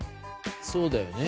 そうだよね。